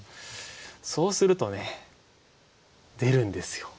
そうするとね出るんですよ